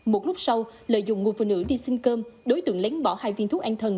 một lúc sau lợi dụng người phụ nữ đi xin cơm đối tượng lén bỏ hai viên thuốc an thần